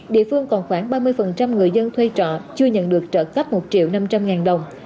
địa phương còn khoảng ba mươi người dân thuê trọ chưa nhận được trợ cấp một triệu năm trăm linh ngàn đồng